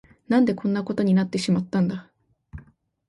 何でこんなことになってしまったんだ。